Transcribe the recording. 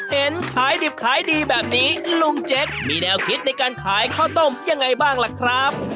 เห็นขายดิบขายดีแบบนี้ลุงเจ๊กมีแนวคิดในการขายข้าวต้มยังไงบ้างล่ะครับ